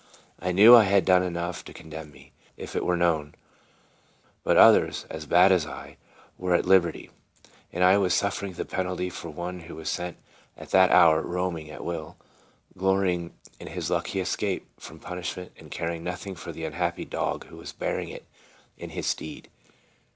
I knew I had done enough to condemn rne, if it were known; but others, as bad as I, were at lib erty, and I was suffering the penalty for one who was at that hour roaming at will, glory ing in his lucky escape from punishment, and caring nothing for the unhappy dog who was bearing it in his stead.